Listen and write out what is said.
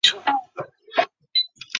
枯立木形成于树木死亡一定时间后。